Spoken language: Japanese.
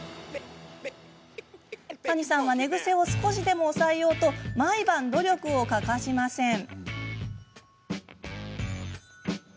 谷さんは寝ぐせを少しでもおさえようと毎晩、努力を欠かしません。